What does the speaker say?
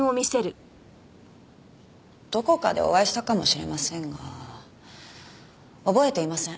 どこかでお会いしたかもしれませんが覚えていません。